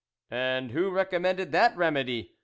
" And who recommended that remedy